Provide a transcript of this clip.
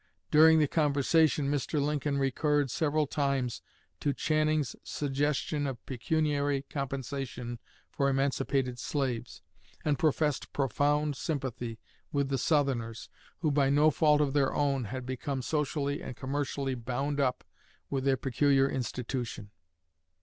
During the conversation Mr. Lincoln recurred several times to Channing's suggestion of pecuniary compensation for emancipated slaves, and professed profound sympathy with the Southerners who, by no fault of their own, had become socially and commercially bound up with their peculiar institution.